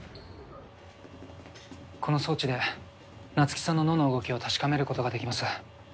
この装置で夏希さんの脳の動きを確かめることができます。